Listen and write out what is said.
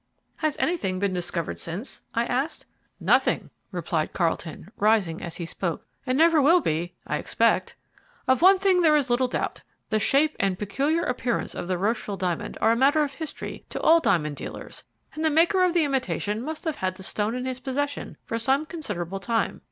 "Has anything been discovered since?" I asked. "Nothing," replied Carlton, rising as he spoke, "and never will be, I expect. Of one thing there is little doubt. The shape and peculiar appearance of the Rocheville diamond are a matter of history to all diamond dealers, and the maker of the imitation must have had the stone in his possession for some considerable time.